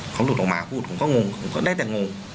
เขาหลุดออกมาพูดผมก็งงผมก็ได้แต่งง